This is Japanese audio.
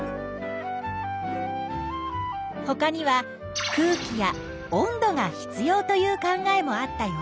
ほかには空気や温度が必要という考えもあったよ。